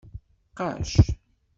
Qacc.